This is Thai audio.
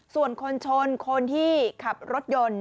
ส่วนคนชนคนที่ขับรถยนต์